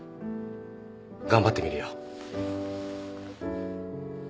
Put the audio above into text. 頑張ってみるよ